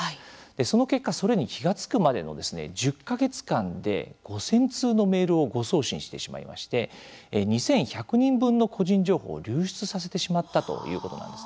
その結果、それに気が付くまでの１０か月間で５０００通のメールを誤送信してしまいまして２１００人分の個人情報を流出させてしまったということなんです。